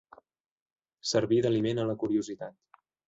Servir d'aliment a la curiositat.